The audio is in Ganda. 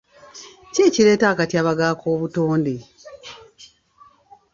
Ki ekireeta akatyabaga ak'obutonde?